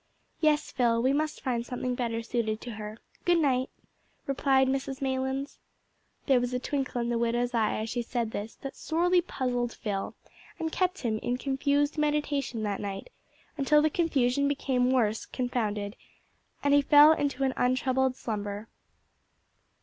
"Yes, Phil, we must find something better suited to her. Good night," replied Mrs Maylands. There was a twinkle in the widow's eye as she said this that sorely puzzled Phil, and kept him in confused meditation that night, until the confusion became worse confounded and he fell into an untroubled slumber.